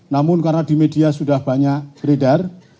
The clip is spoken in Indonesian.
namun karena di media sudah banyak beredar